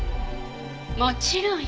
もちろんよ。